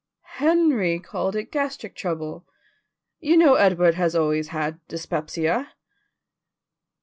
"Henry called it gastric trouble. You know Edward has always had dyspepsia."